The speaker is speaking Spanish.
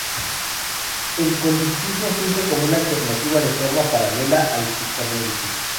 El conductismo surge como alternativa, de forma paralela, al psicoanálisis.